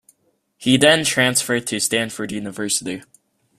He then transferred to Stanford University.